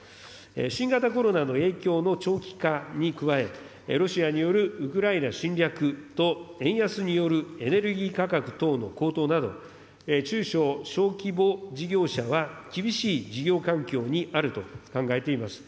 新型コロナの影響の長期化に加え、ロシアによるウクライナ侵略と、円安によるエネルギー価格等の高騰など、中小・小規模事業者は、厳しい事業環境にあると考えています。